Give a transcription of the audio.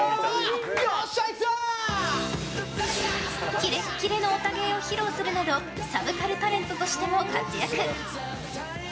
キレッキレのヲタ芸を披露するなどサブカルタレントとしても活躍。